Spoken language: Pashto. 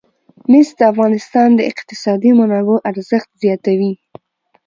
مس د افغانستان د اقتصادي منابعو ارزښت زیاتوي.